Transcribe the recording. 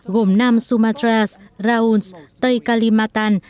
gồm nam sumatra rauns tây kalimantan